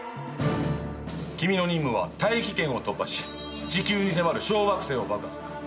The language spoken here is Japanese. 君の任務は大気圏を突破し地球に迫る小惑星を爆破する。